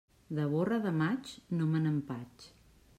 De borra de maig, no me n'empatx.